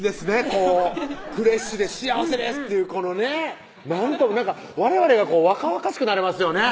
こうフレッシュで幸せです！っていうこのねなんかわれわれが若々しくなれますよね